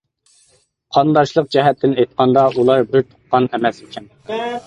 قانداشلىق جەھەتتىن ئېيتقاندا ئۇلار بىر تۇغقان ئەمەس ئىكەن.